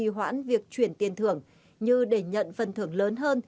nếu nạn nhân không có khả năng chuyển tiền thưởng như để nhận phân thưởng lớn hơn